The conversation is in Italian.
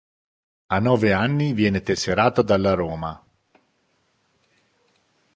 A nove anni viene tesserato dalla Roma.